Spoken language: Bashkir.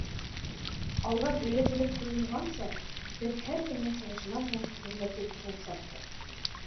Алдан өйрәтелеп ҡуйылғанса, беҙ һәр кемдең сығышынан һуң гөрләтеп ҡул саптыҡ.